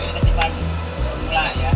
tidak boleh buka